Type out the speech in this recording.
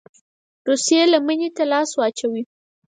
روسيې لمني ته لاس واچوي.